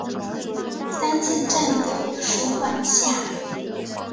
三次站则属管辖。